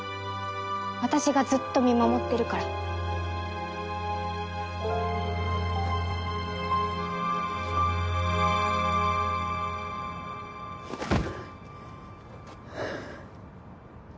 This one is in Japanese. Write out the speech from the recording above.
私がずっと見守ってるからハァ。